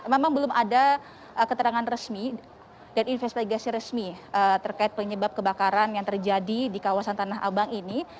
memang belum ada keterangan resmi dan investigasi resmi terkait penyebab kebakaran yang terjadi di kawasan tanah abang ini